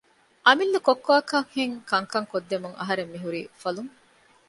އަމިއްލަ ކޮއްކޮއަކަށްހެން ކަންކަން ކޮށްދެމުން އަހަރެން މިހުރީ އުފަލުން